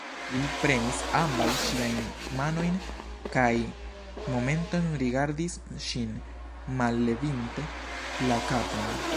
Li prenis ambaŭ ŝiajn manojn kaj momenton rigardis ŝin, mallevinte la kapon